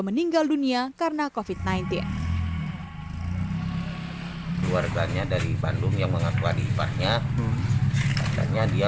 meninggal dunia karena kofit sembilan belas keluarganya dari bandung yang mengaku adipahnya katanya dia